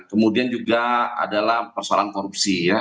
kemudian juga adalah persoalan korupsi ya